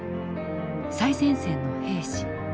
最前線の兵士。